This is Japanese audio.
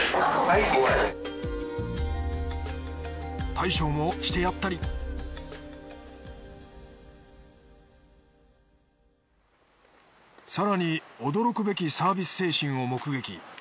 大将もしてやったり更に驚くべきサービス精神を目撃。